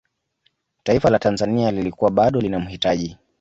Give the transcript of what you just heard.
taifa la tanzania lilikuwa bado linamhitaji